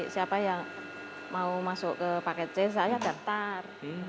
siapa yang mau masuk ke paket c saya daftar